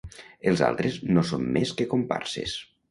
Els altres no són més que comparses.